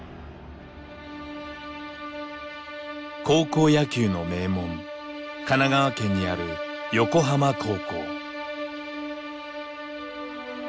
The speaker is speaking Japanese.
高校野球の名門神奈川県にある横浜高校。